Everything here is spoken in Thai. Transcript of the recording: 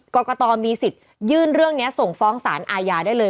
กรกตมีสิทธิ์ยื่นเรื่องนี้ส่งฟ้องสารอาญาได้เลย